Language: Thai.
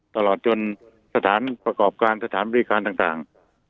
ตลอดจนสถานประกอบการสถานบริการต่าง